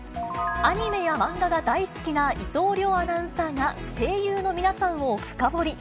アニメや漫画が大好きな伊藤遼アナウンサーが声優の皆さんを深掘り。